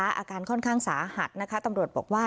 อาการค่อนข้างสาหัสนะคะตำรวจบอกว่า